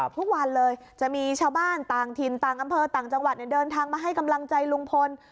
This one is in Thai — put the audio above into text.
ทุกวันเลยจะมีชาวบ้านต่างถิ่นต่างอำเภอต่างจังหวัดเดินทางมาให้กำลังใจลุงพล